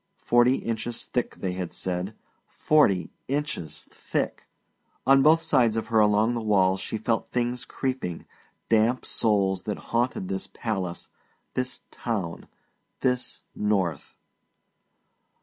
Forty inches thick, they had said forty inches thick! On both sides of her along the walls she felt things creeping, damp souls that haunted this palace, this town, this North.